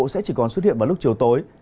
sẽ chỉ còn xuất hiện vào lúc chiều tối